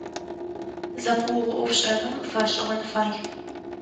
Зэпыугъо IофшIэным фэшIыгъэн фай.